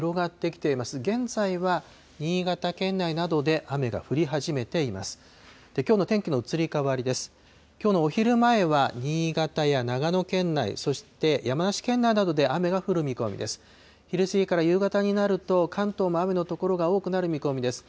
きょうのお昼前は、新潟や長野県内、そして山梨県内などで雨が降る見込みです。